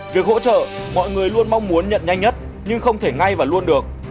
việc hỗ trợ mọi người luôn mong muốn nhận nhanh nhất nhưng không thể ngay và luôn được